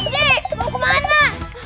dek mau kemana